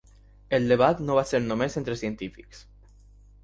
El debat no va ser només entre científics.